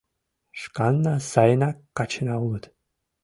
Шканна сайына качына улыт